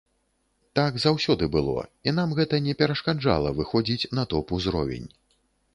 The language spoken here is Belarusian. Так заўсёды было, і нам гэта не перашкаджала выходзіць на топ-узровень.